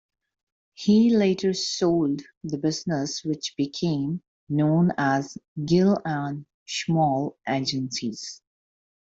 He later sold the business, which became known as Gill and Schmall Agencies.